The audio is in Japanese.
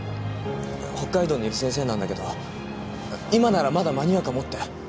北海道にいる先生なんだけど今ならまだ間に合うかもって。